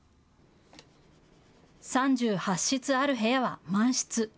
３８室ある部屋は満室。